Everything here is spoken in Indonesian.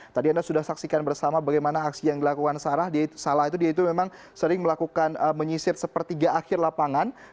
tadi anda sudah saksikan bersama bagaimana aksi yang dilakukan sarah salah itu dia itu memang sering melakukan menyisir sepertiga akhir lapangan